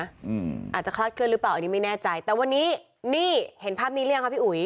อาจจะคลาดเคลื่อนหรือเปล่าอันนี้ไม่แน่ใจแต่วันนี้นี่เห็นภาพนี้หรือยังคะพี่อุ๋ย